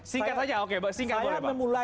singkat saja oke